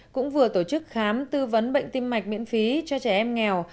cũng vừa tổ chức khám tư vấn bệnh tim mạch miễn phí cho trẻ em nghèo